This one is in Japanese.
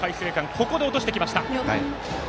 ここで落としてきました。